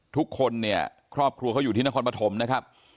ทุกคนเนี่ยครอบครัวเขาอยู่ที่นครปฐมนะครับ